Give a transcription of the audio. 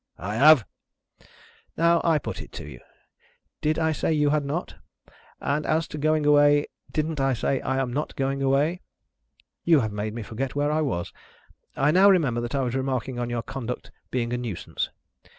"I have!" "Now, I put it to you. Did I say you had not? And as to going away, didn't I say I am not going away? You have made me forget where I was. I now remember that I was remarking on your conduct being a Nuisance.